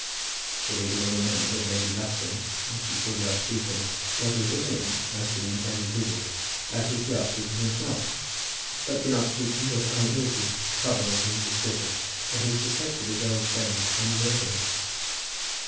The reader will remember that Lady Lufton, when she saw the archdeacon, was as ignorant as to the intended visit as was the archdeacon himself. But the archdeacon was uneasy, troubled, and suspicious; and he suspected his old friend unworthily.